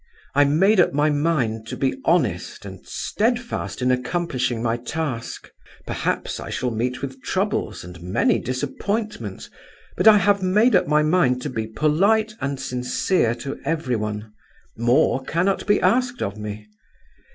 I made up my mind to be honest, and steadfast in accomplishing my task. Perhaps I shall meet with troubles and many disappointments, but I have made up my mind to be polite and sincere to everyone; more cannot be asked of me.